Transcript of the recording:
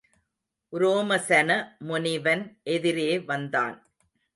உரோமசன முனிவன் எதிரே வந்தான்.